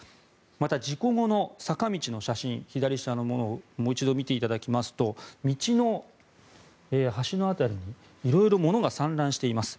また、事故後の坂道の写真左下のものをもう一度見ていただきますと道の端の辺りに色々物が散乱しています。